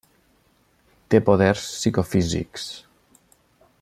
Té poders psicofísics.